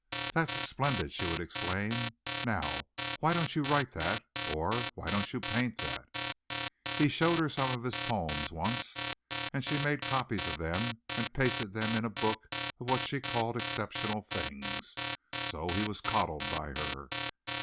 "That's splendid!" she would exclaim. "Now, why don't you write that?" or "why don't you paint that?" He showed her some of his poems once and she had made copies of them and pasted them in a book of what she called exceptional things. So he was coddled by her.